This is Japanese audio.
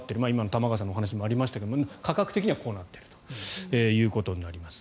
玉川さんのお話もありましたが価格的には、こうなっているということになります。